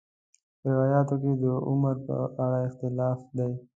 په روایاتو کې د عمر په اړه اختلاف دی.